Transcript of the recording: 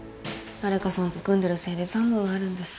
誰かさんと組んでるせいで残務があるんです。